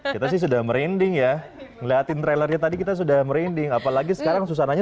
kita sih sudah merinding ya ngeliatin trailernya tadi kita sudah merinding apalagi sekarang susananya